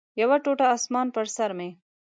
یو ټوټه اسمان پر سر مې